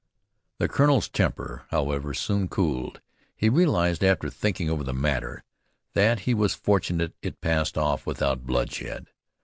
The colonel's temper, however, soon cooled. He realized after thinking over the matter, that he was fortunate it passed off without bloodshed.